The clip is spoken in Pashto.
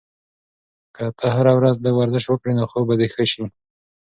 که ته هره ورځ لږ ورزش وکړې، نو خوب به دې ښه شي.